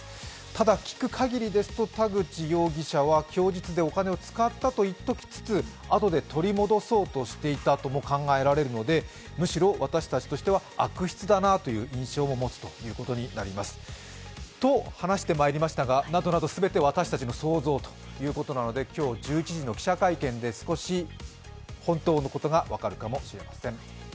ただ、聞くかぎりですと田口容疑者は供述でお金を使ったと言っておきつつあとで取り戻そうとしていたとも考えられるのでむしろ私たちとしては悪質だなという印象を持つということになります。と話してまいりましたが、などなど全て私たちの想像ということで、今日１１時の記者会見で本当のことが分かるかもしれません。